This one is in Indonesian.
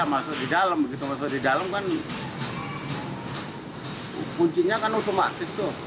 masuk di dalam begitu masuk di dalam kan kuncinya kan otomatis tuh